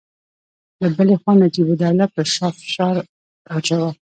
له بلې خوا نجیب الدوله پر شاه فشار اچاوه.